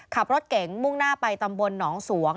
ขับรถเก่งมุ่งหน้าไปตำบลหนองสวง